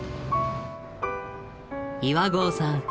岩合さん